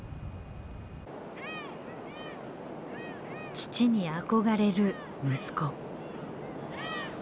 父に憧れる息子。